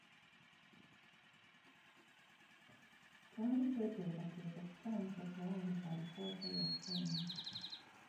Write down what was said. Twali tweteekateeka okutandika okuwandiika alipoota yaffe eno.